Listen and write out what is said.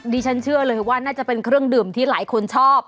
ดิฉันเชื่อเลยว่าน่าจะเป็นเครื่องดื่มที่หลายคนชอบ